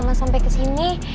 sama sampai kesini